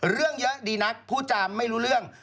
เรื่องเยอะดีนักพูดจามไม่รู้เรื่อง